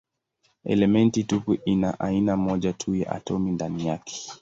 Elementi tupu ina aina moja tu ya atomi ndani yake.